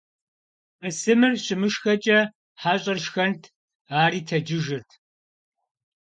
Бысымыр щымышхэкӀэ, хьэщӀэр шхэнт - ари тэджыжырт.